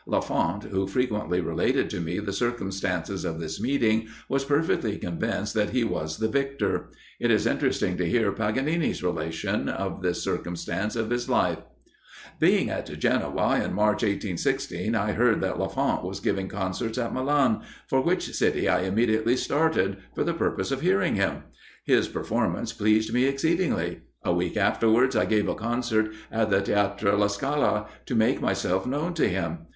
Lafont, who frequently related to me the circumstances of this meeting, was perfectly convinced that he was the victor. It is interesting to hear Paganini's relation of this circumstance of his life: "Being at Genoa, in March, 1816, I heard that Lafont was giving concerts at Milan, for which city I immediately started, for the purpose of hearing him. His performance pleased me exceedingly. A week afterwards I gave a concert at the Theatre La Scala, to make myself known to him.